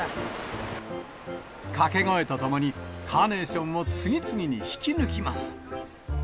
掛け声とともに、カーネーションを次々に引き抜きます。